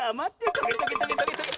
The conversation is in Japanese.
トゲトゲトゲトゲトゲ！